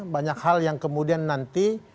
banyak hal yang kemudian nanti